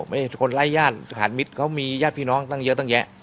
คนไร้ญาติฐานมิตรเขามีญาติพี่น้องตั้งเยอะตั้งแยะ